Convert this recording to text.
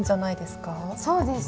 そうですね。